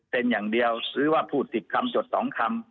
เป็นอย่างเดียวหรือว่าพูด๑๐คำจดสองคำ